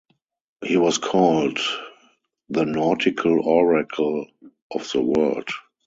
He was called "the Nautical Oracle of the World".